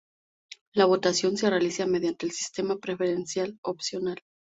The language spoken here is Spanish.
La votación se realiza mediante el sistema preferencial opcional.